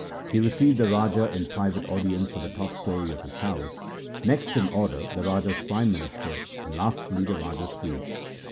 He received the Raja in private audience on the top story of his house, next in order the Raja's prime minister, and lastly the Raja's queens.